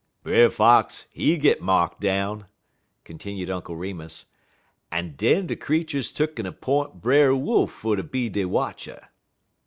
"Brer Fox he git marked down," continued Uncle Remus, "en den de creeturs tuck'n 'p'int Brer Wolf fer ter be dey watcher.